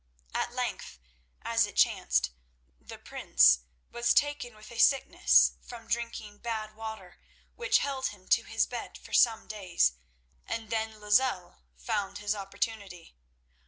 At length, as it chanced, the prince was taken with a sickness from drinking bad water which held him to his bed for some days, and then Lozelle found his opportunity.